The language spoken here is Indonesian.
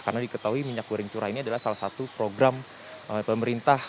karena diketahui minyak goreng curah ini adalah salah satu program pemerintah